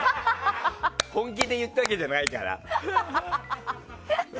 本気で言ったわけじゃないから。